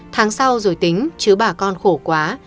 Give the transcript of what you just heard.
tháng sau rồi tính chứ bà con khổ quá